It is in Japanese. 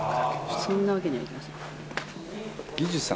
そんなわけにはいきません。